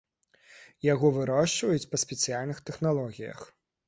Яго вырошчваюць па спецыяльных тэхналогіях.